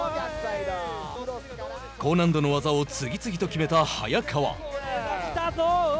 高難度の技を次々と決めた早川。